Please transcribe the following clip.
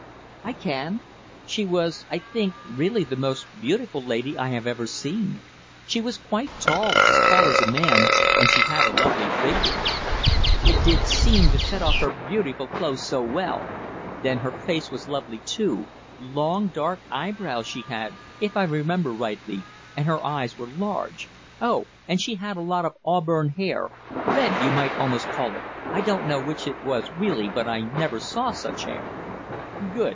"I can. She was, I think, really the most beautiful lady I have ever seen. She was quite tall, as tall as a man, and she had a lovely figure. It did seem to set off her beautiful clothes so well. Then her face was lovely too long, dark eyebrows she had, if I remember rightly, and her eyes were large. Oh, and she had a lot of auburn hair red you might almost call it I don't know which it was really, but I never saw such hair." "Good!"